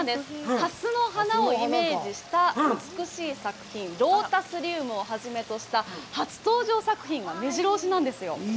ハスの花をイメージした美しい作品、ロータスリウムを初めとした初登場作品がめじろ押しなんですよ。